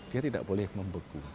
dia tidak boleh membeku